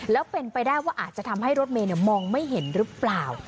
แล้วเป็นไปได้ว่าอาจจะทำให้รถเมย์มองไม่เห็นหรือเปล่า